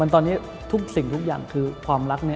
ตอนนี้ทุกสิ่งทุกอย่างคือความรักนี้